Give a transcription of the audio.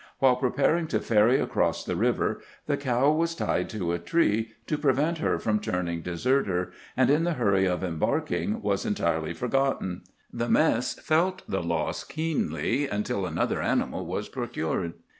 "While preparing to ferry across the river, the cow was tied to a tree to prevent her from turning deserter, and in the hurry of embarking was entirely forgotten. The mess felt the loss keenly until another animal was procured.